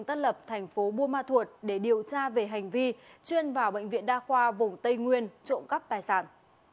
gặp tp bumathuot để điều tra về hành vi chuyên vào bệnh viện đa khoa vùng tây nguyên trộm cắp tài sản